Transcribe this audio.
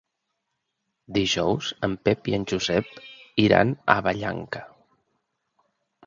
Dijous en Pep i en Josep iran a Vallanca.